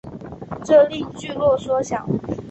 这令聚落缩小。